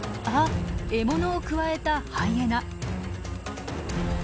あっ獲物をくわえたハイエナ。